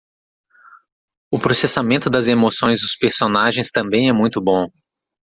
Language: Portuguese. O processamento das emoções dos personagens também é muito bom